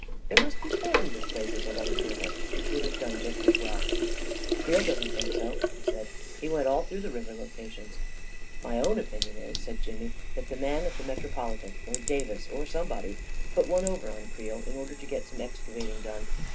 There must be dozens of places along the river which would have done just as well." " Creel doesn't think so," I said. " He went all through the river locations." " My own opinion is," said Jimmy, " that the man 120 A KING IN BABYLON at the Metropolitan or Davis or somebody put one over on Creel in order to get some excavating done.